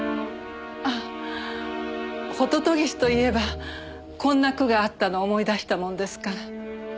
あっホトトギスと言えばこんな句があったのを思い出したものですから。